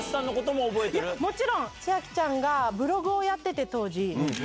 もちろん、千愛ちゃんが、ブログをやってて、当時。